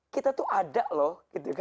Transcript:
kita tuh ada loh